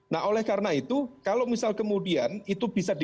nah oleh karena itu kalau misal kemudian itu bisa di